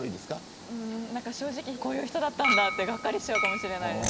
正直こういう人だったんだ、とがっかりするかもしれないです。